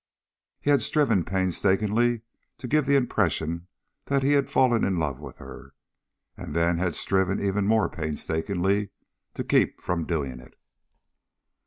He had striven painstakingly to give the impression that he had fallen in love with her and then had striven even more painstakingly to keep from doing it.